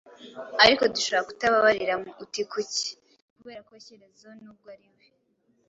Ariko dushobora kutababariramo. Uti kuki? Nti kubera ko Shyerezo, n'ubwo ari we